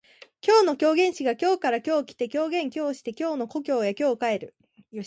今日の狂言師が京から今日来て狂言今日して京の故郷へ今日帰る